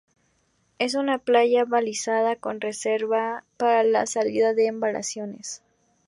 Es una playa balizada, con zona reservada para la salida de embarcaciones.